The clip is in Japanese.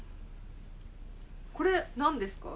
これ何ですか？